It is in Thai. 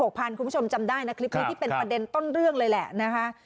คุณผู้ชมจำได้นะคลิปนี้ที่เป็นประเด็นต้นเรื่องเลยแหละนะคะ